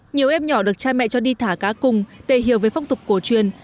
nhiều em nhỏ được trai mẹ cho đi thả cá cùng để hiểu về phong tục cầu truyền